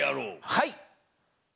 はい。